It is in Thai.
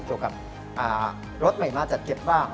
โดยกับรถใหม่มาจากเก็บบ้าน